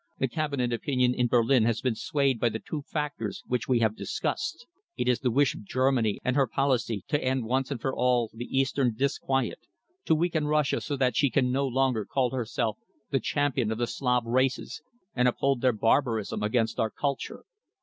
"The Cabinet opinion in Berlin has been swayed by the two factors which we have discussed. It is the wish of Germany, and her policy, to end once and for all the eastern disquiet, to weaken Russia so that she can no longer call herself the champion of the Slav races and uphold their barbarism against our culture.